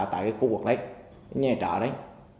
tại khu vực đấy